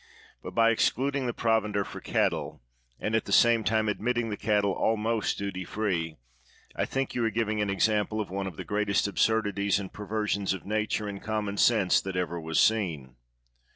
But by excluding the provender for cattle, and at the same time ad mitting the cattle almost duty free, I think you are giving an example of one of the greatest absurdities and perversions of nature and com mon sense that ever was seen.